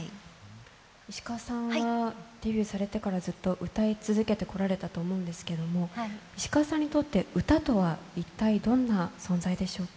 石川さんはデビューされてからずっと歌い続けてこられたと思うんですけれども、石川さんにとって歌とは一体どんな存在でしょうか？